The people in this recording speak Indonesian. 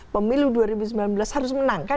pemilu dua ribu sembilan belas harus menang kan